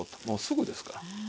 もうすぐですから。